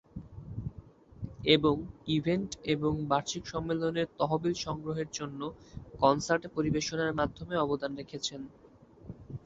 এবং ইভেন্ট এবং বার্ষিক সম্মেলনের তহবিল সংগ্রহের জন্য কনসার্টে পরিবেশনার মাধ্যমে অবদান রেখেছেন।